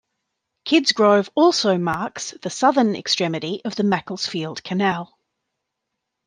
Kidsgrove also marks the southern extremity of the Macclesfield Canal.